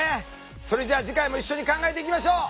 それじゃ次回も一緒に考えていきましょう。